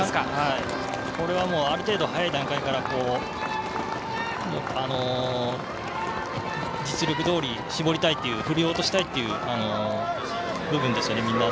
これは、ある程度早い段階から実力どおりに振り落としたいっていう部分ですよね、みんな。